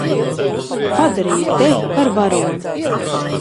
Padarīju tevi par varoni.